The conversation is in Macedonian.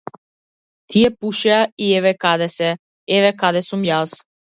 Тие пушеа и еве каде се, еве каде сум јас.